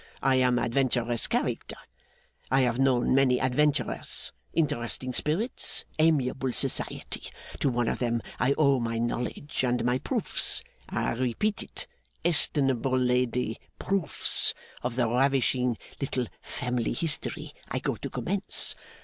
I am an adventurous character. I have known many adventurers; interesting spirits amiable society! To one of them I owe my knowledge and my proofs I repeat it, estimable lady proofs of the ravishing little family history I go to commence.